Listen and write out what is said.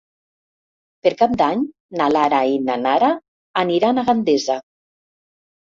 Per Cap d'Any na Lara i na Nara aniran a Gandesa.